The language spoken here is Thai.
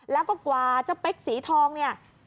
แล้วก็กวาดเจ้าเป๊คสีทองนี้